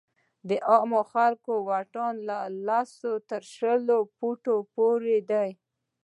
د عامو خلکو واټن له لسو تر شلو فوټو پورې دی.